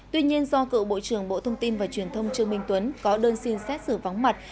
tuy nhiên do cựu bộ trưởng bộ thông tin và truyền thông trương minh tuấn có đơn xin xét xử vắng mặt